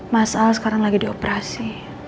mas al sekarang lagi di operasi